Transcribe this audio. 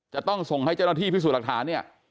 จะต้องส่งให้เจ้าหน้าที่พิสูจน์หลักฐานเนี่ย